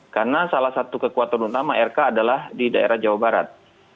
karena salah satu kekuatan utama rk adalah di daerah jawa barat